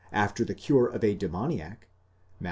after the cure of a demoniac, Matt.